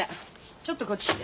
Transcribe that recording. ちょっとこっち来て。